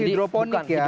oh hidroponik ya